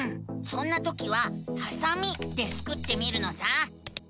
そんなときは「はさみ」でスクってみるのさ！